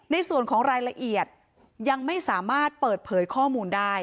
ในส่วนของรายละเอียดยังไม่สามารถเปิดเผยข้อมูลได้